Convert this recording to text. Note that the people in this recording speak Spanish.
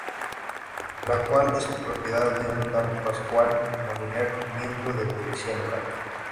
La cual es propiedad de un tal Pascual Moliner, miembro de la burguesía local.